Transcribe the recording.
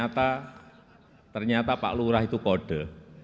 ternyata pak lurah itu kode